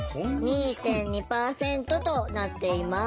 ２．２％となっています。